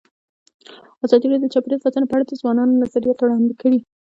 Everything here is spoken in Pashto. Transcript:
ازادي راډیو د چاپیریال ساتنه په اړه د ځوانانو نظریات وړاندې کړي.